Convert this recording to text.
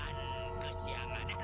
ayo duduk di situ